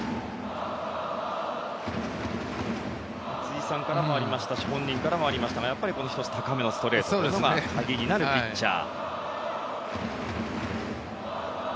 辻さんからもありましたし本人からもありましたがやっぱり１つ高めのストレートというのが鍵になるピッチャー。